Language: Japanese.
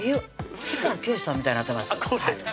氷川きよしさんみたいになってます